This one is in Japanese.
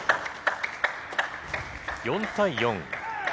４対４。